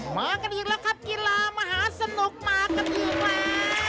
มากันอีกแล้วครับกีฬามหาสนุกมากันอีกแล้ว